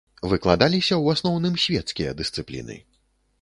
Выкладаліся ў асноўным свецкія дысцыпліны.